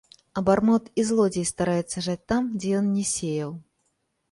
Абармот і злодзей стараецца жаць там, дзе ён не сеяў.